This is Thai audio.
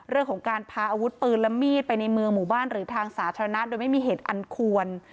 เรื่องของการพาอาวุธปืนและมีดไปในเมืองหมู่บ้านหรือทางสาธารณะโดยไม่มีเหตุอันควร